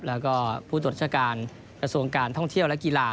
แล้วก็ผู้ตรวจชาการกระทรวงการท่องเที่ยวและกีฬา